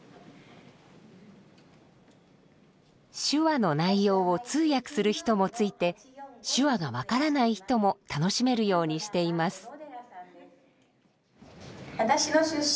手話の内容を通訳する人もついて手話が分からない人も楽しめるようにしています。